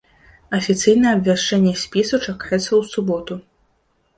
Афіцыйнае абвяшчэнне спісу чакаецца ў суботу.